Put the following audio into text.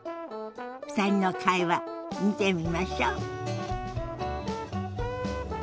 ２人の会話見てみましょ。